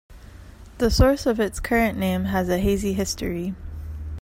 The source of its current name has a hazy history.